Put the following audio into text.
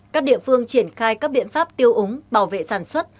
các địa phương triển khai các biện pháp tiêu úng bảo vệ sản xuất